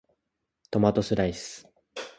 トマトスライス